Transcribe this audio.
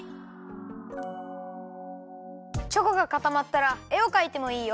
チョコがかたまったらえをかいてもいいよ。